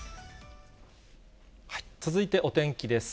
続いてお天気です。